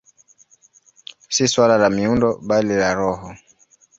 Si suala la miundo, bali la roho.